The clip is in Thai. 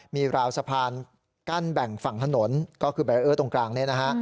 มีราวสะพานกั้นแบ่งฝั่งถนนก็คือแบรเออร์ตรงกลางเนี่ยนะฮะ